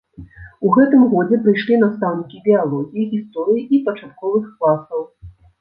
У гэтым годзе прыйшлі настаўнікі біялогіі, гісторыі і пачатковых класаў.